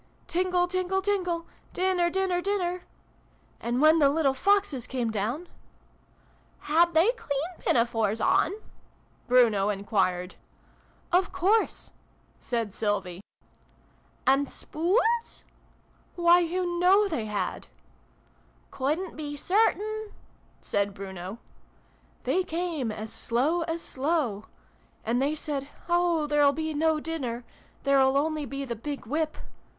' Tingle, tingle, tingle ! Dinner, dinner, dinner !' And when the little Foxes came down "(" Had they clean pinafores on ?" Bruno enquired. " Of 246 SYLVIE AND BRUNO CONCLUDED. course !" said Sylvie. " And spoons ?"'' Why, you know they had !"" Couldn't be certain" said Bruno.) " they came as slow as slow ! And they said ' Oh ! There'll be no dinner ! There'll only be the big whip